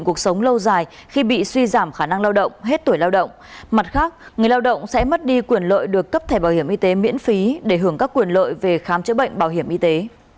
người lao động sẽ mất đi quyền lợi được cấp thẻ bảo hiểm y tế miễn phí để hưởng các quyền lợi về khám chữa bệnh bảo hiểm y tế